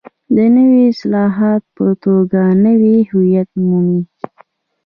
د نوې اصطلاح په توګه نوی هویت مومي.